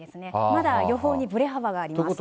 まだ予報にぶれ幅があります。